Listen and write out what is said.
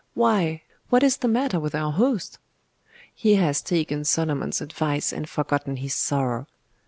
Why' what is the matter with our host?' 'He has taken Solomon's advice, and forgotten his sorrow.